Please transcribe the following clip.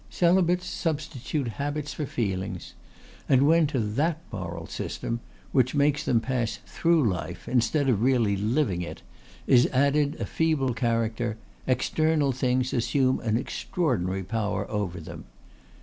Celibates substitute habits for feelings; and when to that moral system, which makes them pass through life instead of really living it, is added a feeble character, external things assume an extraordinary power over them.